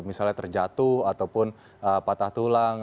misalnya terjatuh ataupun patah tulang